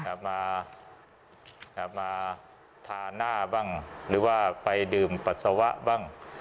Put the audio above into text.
กลับมาทาหน้าบ้างหรือว่าไปดื่มปัสสาวะบ้าง